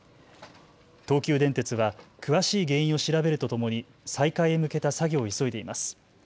東急電鉄は詳しい原因を調べるとともに再開へ向けた作業を急いでいます。